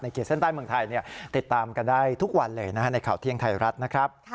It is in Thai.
ขีดเส้นใต้เมืองไทยติดตามกันได้ทุกวันเลยในข่าวเที่ยงไทยรัฐนะครับ